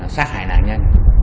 sát hại nạn nhân